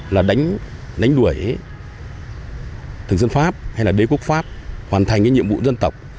là đánh đuổi từng dân pháp hay là đế quốc pháp hoàn thành nhiệm vụ dân tộc